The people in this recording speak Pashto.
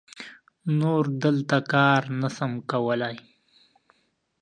نور دلته کار نه سم کولای.